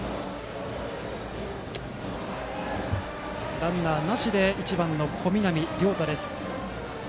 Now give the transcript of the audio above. ランナーなしでバッターは１番の小南亮太です。